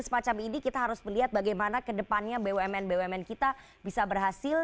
bagaimana macam ini kita harus melihat bagaimana ke depannya bumn bumn kita bisa berhasil